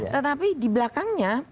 tetapi di belakangnya